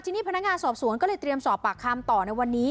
ทีนี้พนักงานสอบสวนก็เลยเตรียมสอบปากคำต่อในวันนี้